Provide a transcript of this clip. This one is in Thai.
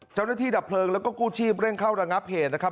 ดับเพลิงแล้วก็กู้ชีพเร่งเข้าระงับเหตุนะครับ